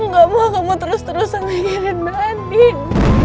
aku gak mau kamu terus terusan ngerin badin